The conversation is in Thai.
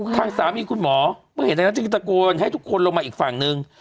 ทางสามีคุณหมอเมื่อเห็นทางนั้นจึงตะโกนให้ทุกคนลงมาอีกฝั่งนึง